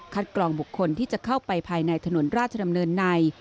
กรองบุคคลที่จะเข้าไปภายในถนนราชดำเนินใน